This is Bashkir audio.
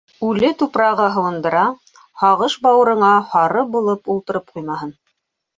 - Үле тупрағы һыуындыра, һағыш бауырыңа һары булып ултырып ҡуймаһын.